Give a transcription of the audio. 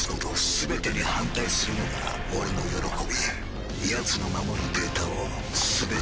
全てに反対するのが俺の喜びやつの守るデータを全て奪うのだ！